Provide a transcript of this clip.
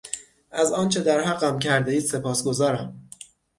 از آنچه در حقم کردهاید سپاسگزارم.